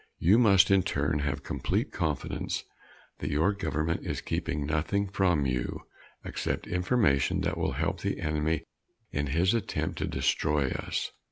You must, in turn, have complete confidence that your government is keeping nothing from you except information that will help the enemy in his attempt to destroy us.